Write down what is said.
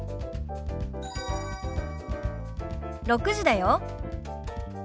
６時だよ。